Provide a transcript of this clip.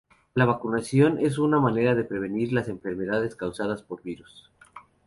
La vacunación es una manera de prevenir las enfermedades causadas por virus.